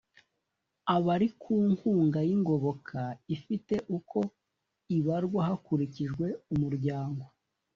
Abari ku nkunga y’ingoboka ifite uko ibarwa hakurikijwe umuryango